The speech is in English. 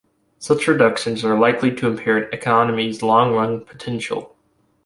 Such reductions are likely to impair an economy's long-run potential.